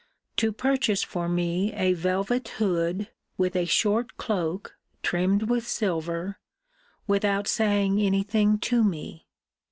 to purchase for me a velvet hood, and a short cloke, trimmed with silver, without saying any thing to me.